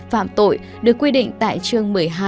phạm tội được quy định tại chương một mươi hai